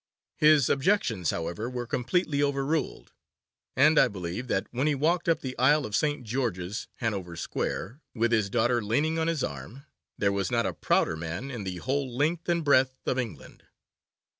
His objections, however, were completely overruled, and I believe that when he walked up the aisle of St. George's, Hanover Square, with his daughter leaning on his arm, there was not a prouder man in the whole length and breadth of England.